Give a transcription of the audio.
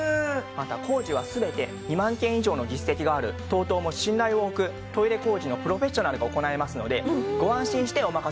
また工事は全て２万件以上の実績があるＴＯＴＯも信頼をおくトイレ工事のプロフェッショナルが行いますのでご安心してお任せください。